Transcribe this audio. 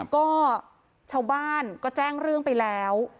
ก็ชาวบ้านก็แจ้งเรื่องไปแล้ว